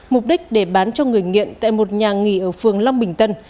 mục đích để bán cho người nghiện tại một nhà nghỉ ở phường long bình tân